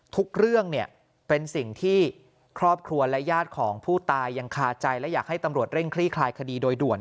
ทุกเรื่องเนี่ยเป็นสิ่งที่ครอบครัวและญาติของผู้ตายยังคาใจและอยากให้ตำรวจเร่งคลี่คลายคดีโดยด่วน